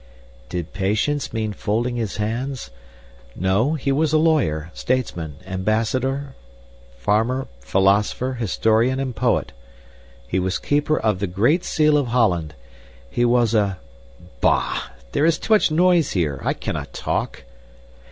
} "Did patience mean folding his hands? No, he was a lawyer, statesman, ambassador, farmer, philosopher, historian, and poet. He was keeper of the Great Seal of Holland! He was a Bah! there is too much noise here, I cannot talk."